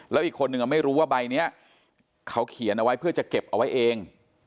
แล้วอีกคนนึงไม่รู้ว่าใบนี้เขาเขียนเอาไว้เพื่อจะเก็บเอาไว้เอง